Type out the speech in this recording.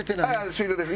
終了です